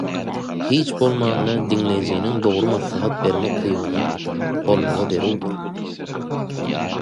Hiç bolmanda diňleýijiniň dogry maslahat berme ukybynyň bolmagy zerurdyr.